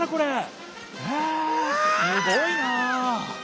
すごいな。